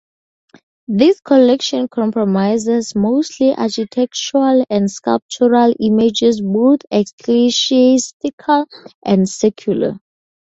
This collection comprises mostly architectural and sculptural images both ecclesiastical and secular.